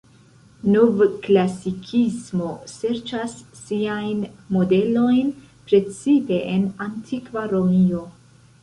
Novklasikismo serĉas siajn modelojn precipe en antikva Romio.